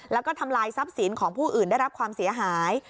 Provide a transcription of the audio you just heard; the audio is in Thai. แล้วก็ทำลายทรัพย์สินของผู้อื่นได้รับความเสียหาย